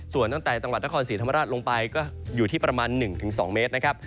ส่วนตั้งแต่จังหวัดนครศรีธรรมราชลงไปก็อยู่ที่ประมาณ๑๒เมตรนะครับ